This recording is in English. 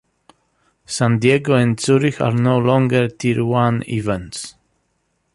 San Diego and Zurich are no longer Tier I events.